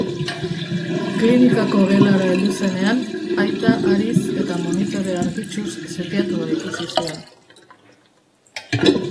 Klinikako gelara heldu zenean, aita hariz eta monitore argitsuz setiatua ikusi zuen.